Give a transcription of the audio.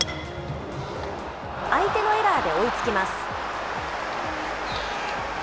相手のエラーで追いつきます。